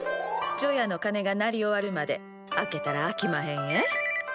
除夜の鐘が鳴り終わるまで開けたらあきまへんえ。